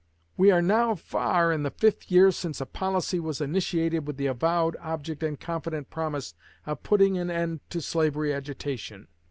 We are now far on in the fifth year since a policy was initiated with the avowed object and confident promise of putting an end to slavery agitation.